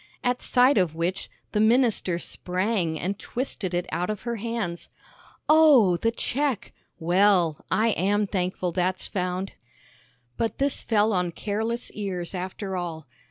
At sight of which, the minister sprang and twisted it out of her hands. "Oh, the check! Well, I am thankful that's found!" But this fell on careless ears after all.